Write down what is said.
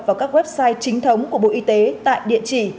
vào các website chính thống của bộ y tế tại địa chỉ